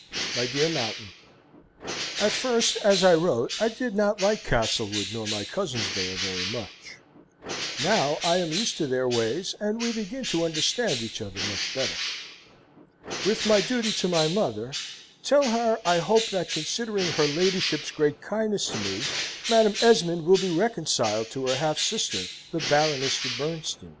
"MY DEAR MOUNTAIN At first, as I wrote, I did not like Castlewood, nor my cousins there, very much. Now, I am used to their ways, and we begin to understand each other much better. With my duty to my mother, tell her, I hope, that considering her ladyship's great kindness to me, Madam Esmond will be reconciled to her half sister, the Baroness de Bernstein.